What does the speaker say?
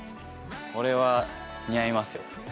これは似合いますよ。